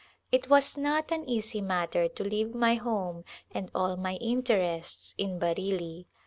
It was not an easy matter to leave my home and all my interests in Bareilly.